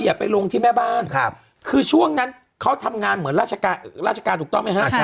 อย่าไปลงที่แม่บ้านคือช่วงนั้นเขาทำงานเหมือนราชการถูกต้องไหมฮะอาจาร